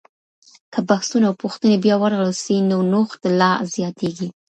که بحثونه او پوښتنې بیا ورغول سي، نو نوښت لا زیاتیږي.